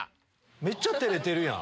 めっちゃ照れてるやん。